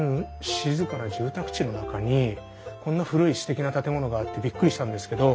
静かな住宅地の中にこんな古いすてきな建物があってびっくりしたんですけど。